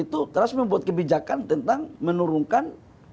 itu trust membuat kebijakan tentang menurunkan